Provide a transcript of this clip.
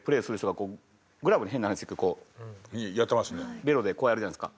ベロでこうやるじゃないですか。